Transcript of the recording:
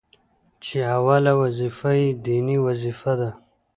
چي اوله وظيفه يې ديني وظيفه ده،